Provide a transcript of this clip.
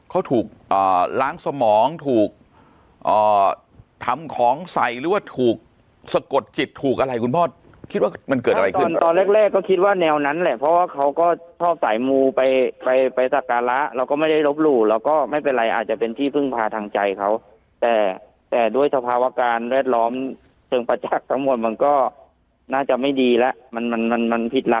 เขาถูกล้างสมองถูกทำของใส่หรือว่าถูกสะกดจิตถูกอะไรคุณพ่อคิดว่ามันเกิดอะไรขึ้นตอนแรกแรกก็คิดว่าแนวนั้นแหละเพราะว่าเขาก็ชอบสายมูไปไปสักการะเราก็ไม่ได้ลบหลู่เราก็ไม่เป็นไรอาจจะเป็นที่พึ่งพาทางใจเขาแต่แต่ด้วยสภาวะการแวดล้อมเชิงประจักษ์ทั้งหมดมันก็น่าจะไม่ดีแล้วมันมันมันผิดละ